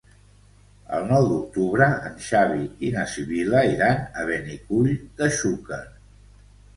El nou d'octubre en Xavi i na Sibil·la iran a Benicull de Xúquer.